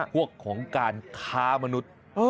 ของการค้ามนุษย์